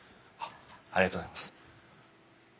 ありがとうございます。